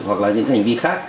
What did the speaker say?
hoặc là những hành vi khác